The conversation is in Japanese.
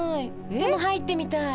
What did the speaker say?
でも入ってみたい。